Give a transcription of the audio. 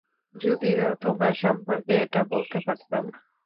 যদিও তোমার সম্পর্কে এটা বলতে পারতাম।